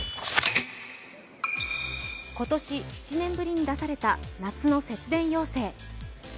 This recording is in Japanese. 今年７年ぶりに出された夏の節電要請。